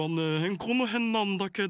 このへんなんだけど。